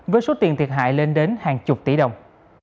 với số tiền thiệt hại lên đến hàng chục tỷ đồng